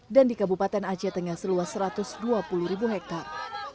dan di kabupaten aceh tengah seluas satu ratus dua puluh hektare